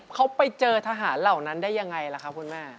เขาไปเจอทหารเหล่านั้นได้ยังไงล่ะครับคุณแม่